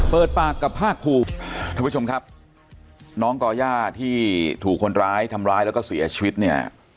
เปิดปากกับภาคภูมิท่านผู้ชมครับน้องก่อย่าที่ถูกคนร้ายทำร้ายแล้วก็เสียชีวิตเนี่ย